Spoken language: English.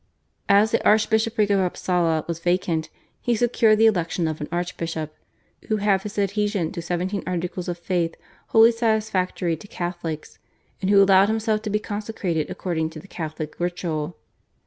As the Archbishopric of Upsala was vacant, he secured the election of an archbishop, who have his adhesion to seventeen articles of faith wholly satisfactory to Catholics, and who allowed himself to be consecrated according to the Catholic ritual.